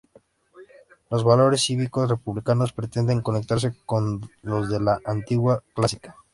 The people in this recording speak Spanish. Los valores cívicos republicanos pretenden conectarse con los de la Antigüedad clásica.